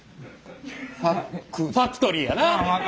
「ファクトリー」やな。